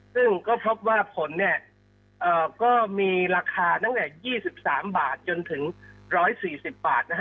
ซึ่งก็พบว่าผลก็มีราคาตั้งแต่๒๓บาทจนถึง๑๔๐บาท